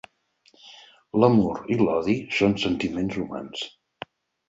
L'amor i l'odi són sentiments humans.